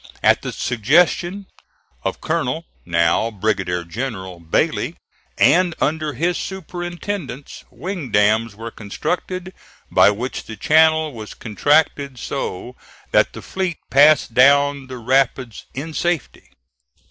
At the suggestion of Colonel (now Brigadier General) Bailey, and under his superintendence, wing dams were constructed, by which the channel was contracted so that the fleet passed down the rapids in safety.